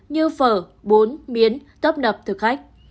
như phở bún miến tấp đập thực khách